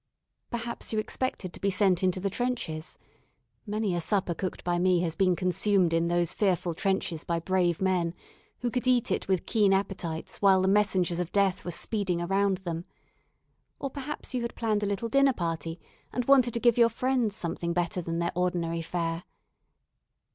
Perhaps you expected to be sent into the trenches (many a supper cooked by me has been consumed in those fearful trenches by brave men, who could eat it with keen appetites while the messengers of death were speeding around them); or perhaps you had planned a little dinner party, and wanted to give your friends something better than their ordinary fare.